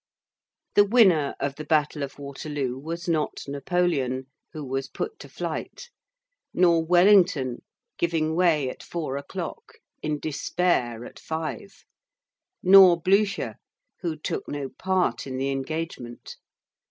The winner of the battle of Waterloo was not Napoleon, who was put to flight; nor Wellington, giving way at four o'clock, in despair at five; nor Blücher, who took no part in the engagement.